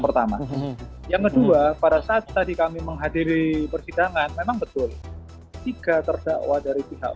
pertama yang kedua pada saat tadi kami menghadiri persidangan memang betul tiga terdakwa dari pihak